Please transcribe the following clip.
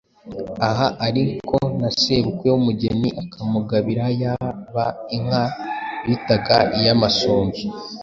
Aha ariko na sebukwe w’umugeni akamugabira yaba inka bitaga iy’amasunzu,